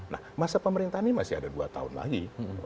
nah masa pemerintahan ini masih ada dua tahun lagi